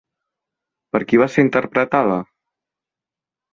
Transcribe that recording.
Per qui va ser interpretada?